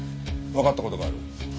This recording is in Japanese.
わかった事がある。